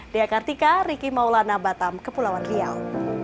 di akartika riki maulana batam kepulauan liau